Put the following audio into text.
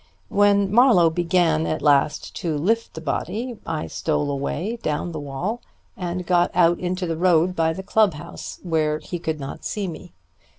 "When Marlowe began at last to lift the body, I stole away down the wall and got out into the road by the club house, where he could not see me.